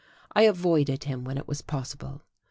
I avoided him when it was possible....